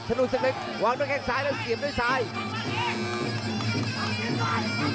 กระโดยสิ้งเล็กนี่ออกกันขาสันเหมือนกันครับ